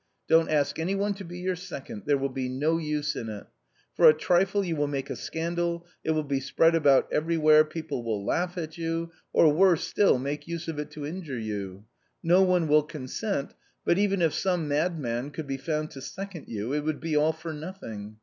Don't ask any one to be your second ; there will be no use in it. For a trifle you will make a scandal, it will be spread about everywhere, people will laugh at you, or worse still, make use of it to injure you. No one will consent, but even if some madman could be found to second you, it would be all for nothing.